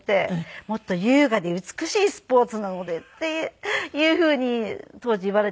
「もっと優雅で美しいスポーツなので」っていうふうに当時言われた。